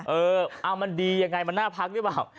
เออเอามันดียังไงมันน่าพักหรือเปล่า